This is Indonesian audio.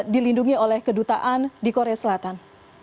dilindungi oleh kedutaan di korea selatan